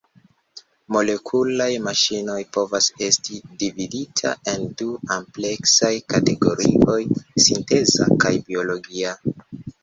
Molekulaj maŝinoj povas esti dividata en du ampleksaj kategorioj; sinteza kaj biologia.